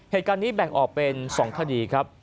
เหตุการณ์นี้แบ่งออกเป็น๒คดีครับ